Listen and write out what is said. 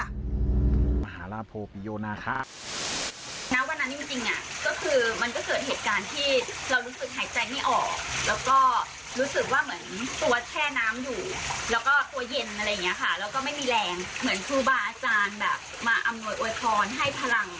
วันนั้นจริงมันก็เกิดเหตุการณ์ที่เรารู้สึกหายใจไม่ออก